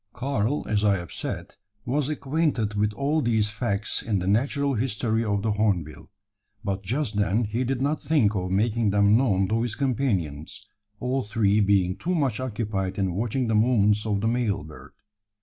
Karl, as I have said, was acquainted with all these facts in the natural history of the hornbill; but just then he did not think of making them known to his companions all three being too much occupied in watching the movements of the male bird.